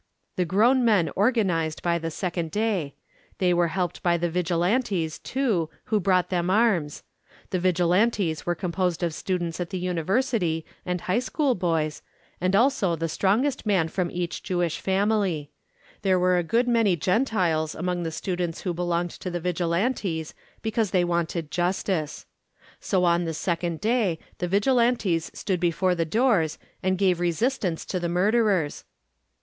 The grown men organised by the second day. They were helped by the Vigilantes, too, who brought them arms. The Vigilantes were composed of students at the University and high school boys, and also the strongest man from each Jewish family. There were a good many Gentiles among the students who belonged to the Vigilantes because they wanted justice. So on the second day the Vigilantes stood before the doors and gave resistance to the murderers.